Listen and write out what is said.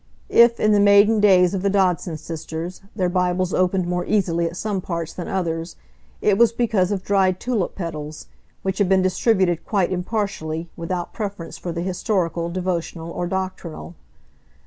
If, in the maiden days of the Dodson sisters, their Bibles opened more easily at some parts than others, it was because of dried tulip petals, which had been distributed quite impartially, without preference for the historical, devotional, or doctrinal.